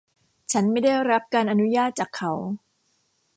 ฉันไม่ได้รับการอนุญาตจากเขา